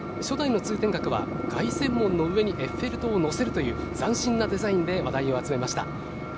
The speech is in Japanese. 初代の通天閣は凱旋門の上にエッフェル塔を載せるという斬新なデザインで話題を集めました。